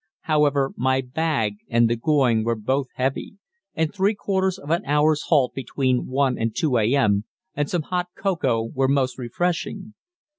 However, my bag and the going were both heavy, and three quarters of an hour's halt between 1 and 2 a.m. and some hot cocoa were most refreshing.